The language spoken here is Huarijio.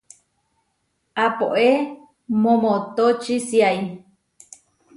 Apóe momotóčisiai.